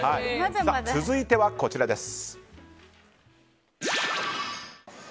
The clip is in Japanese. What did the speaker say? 続いては、こちらです。